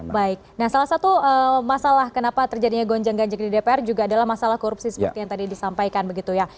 baik nah salah satu masalah kenapa terjadinya gonjang ganjeng di dpr juga adalah masalah korupsi seperti yang tadi disampaikan begitu ya